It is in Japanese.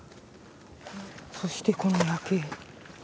そしてこの夜景。